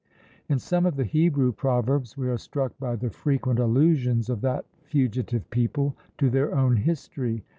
In some of the Hebrew proverbs we are struck by the frequent allusions of that fugitive people to their own history.